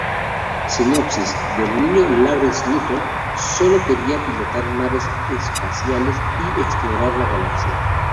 Sinopsis: De niño, Lawrence Newton solo quería pilotar naves espaciales y explorar la galaxia.